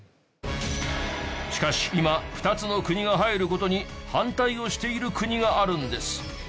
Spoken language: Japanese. しかし今２つの国が入る事に反対をしている国があるんです。